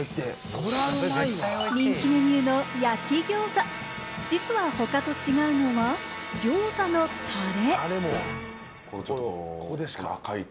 人気メニューの焼きギョーザ、実は他と違うのはギョーザのタレ。